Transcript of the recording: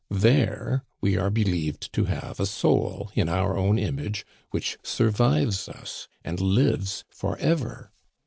There we are believed to have a soul in our own image, which survives us and lives for ever.